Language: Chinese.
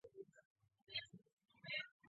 嘉庆十六年辛未科进士。